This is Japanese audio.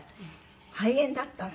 肺炎だったの？